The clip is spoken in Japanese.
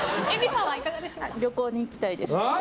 旅行に行きたいです。